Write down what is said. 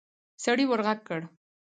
سړي ورغږ کړ.